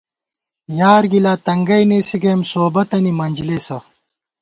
یار گِلا تنگئ نېسی گئیم سوبَتَنی منجلېسہ